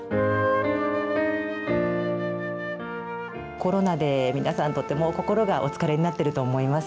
コロナで皆さん、とても心がお疲れになっていると思います。